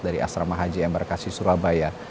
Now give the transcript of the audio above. dari asrama haji embarkasi surabaya